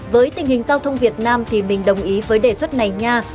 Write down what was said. với tình hình giao thông việt nam thì mình đồng ý với đề xuất này nha